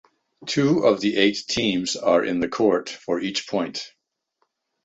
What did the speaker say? Two of the eight teams are in the court for each point.